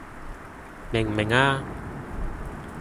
明唔明啊？